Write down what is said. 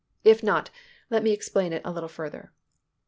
If not, let me explain it a little further.